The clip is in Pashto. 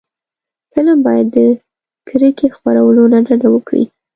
فلم باید د کرکې خپرولو نه ډډه وکړي